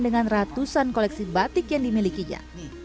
dengan ratusan koleksi batik yang dimilikinya